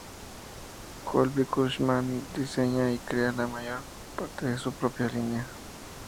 Colby-Cushman diseña y crea la mayor parte de su propia línea.